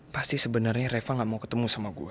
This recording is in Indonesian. pasti sebenarnya reva gak mau ketemu sama gue